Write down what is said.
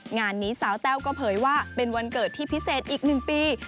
งานนี้สาวแต้วก็เผยว่าเป็นวันเกิดที่พิเศษอีก๑ปี